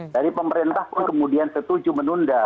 jadi pemerintah pun kemudian setuju menunda